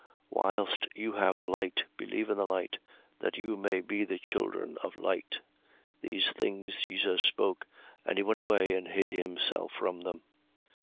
12:36. Whilst you have the light, believe in the light, that you may be the children of light. These things Jesus spoke: and he went away and hid himself from them.